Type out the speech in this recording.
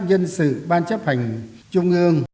nhân sự ban chấp hành trung ương